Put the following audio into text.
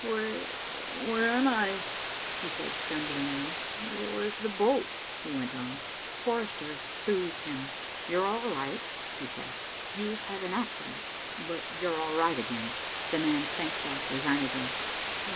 "Where where am I?" he said stumblingly. "Where's the boat?" he went on. Forrester soothed him. "You're all right," he said. "You had an accident, but you're all right again." The man sank back resignedly.